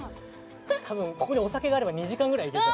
多分ここにお酒があれば２時間ぐらいいけちゃう。